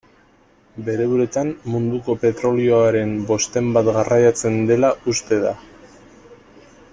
Bere uretan munduko petrolioaren bosten bat garraiatzen dela uste da.